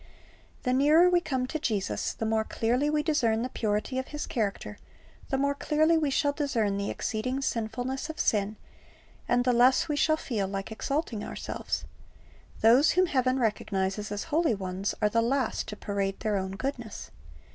The nearer we come to Jesus, and the more clearly we discern the purity of His character, the more clearly we shall discern the exceeding sinfulness of sin, and the less we shall feel like exalting ourselves. Those whom heaven recognizes as holy ones are the last to parade their own goodness.